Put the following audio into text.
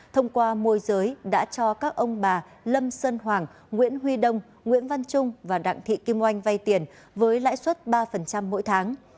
thông qua môi giới đã cho các ông bà lâm sơn hoàng nguyễn huy đông nguyễn văn trung và đặng thị kim oanh vay tiền với lãi suất ba mỗi tháng